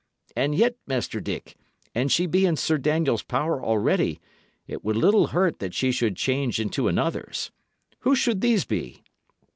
And yet, Master Dick, an she be in Sir Daniel's power already, it will little hurt that she should change into another's. Who should these be?"